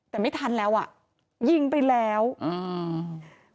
แต่ไม่ทันแล้วอ่ะยิงไปแล้วอืม